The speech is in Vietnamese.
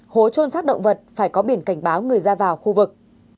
hố trôn sát động vật phải có biển cảnh báo người ra vào khu vực